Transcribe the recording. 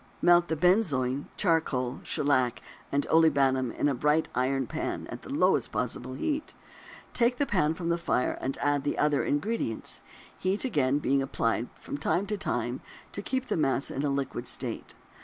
Melt the benzoin, charcoal, shellac, and olibanum in a bright iron pan at the lowest possible heat; take the pan from the fire and add the other ingredients, heat being again applied from time to time to keep the mass in a liquid state.